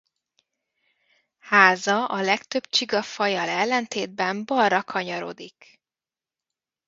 Háza a legtöbb csigafajjal ellentétben balra kanyarodik.